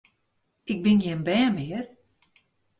Ik bin gjin bern mear!